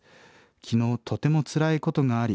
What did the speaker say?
昨日とてもつらいことがあり